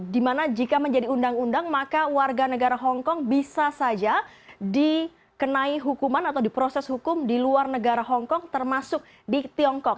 dimana jika menjadi undang undang maka warga negara hongkong bisa saja dikenai hukuman atau diproses hukum di luar negara hongkong termasuk di tiongkok